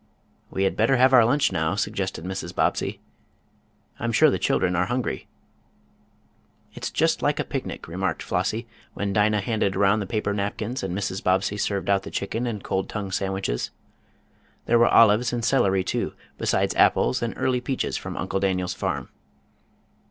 "We had better have our lunch now," suggested Mrs. Bobbsey, "I'm sure the children are hungry." "It's just like a picnic," remarked Flossie, when Dinah handed around the paper napkins and Mrs. Bobbsey served out the chicken and cold tongue sandwiches. There were olives and celery too, besides apples and early peaches from Uncle Daniel's farm.